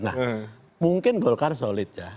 nah mungkin golkar solid ya